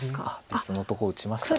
別のとこに打ちました。